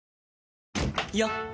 よっ！